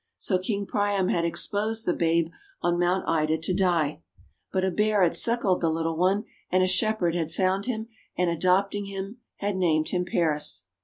So King Priam had exposed the babe on Mount Ida to die. But a Bear had suckled the little one, and a Shepherd had found him, and, adopting him, had named him Paris.